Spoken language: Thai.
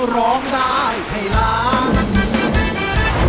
ร้องได้ให้ล้าน